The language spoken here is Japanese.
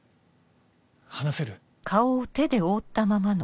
話せる？